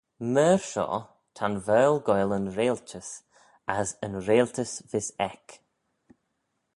Myr shoh ta'n Vaarle goaill yn reiltys as yn reiltys vees eck.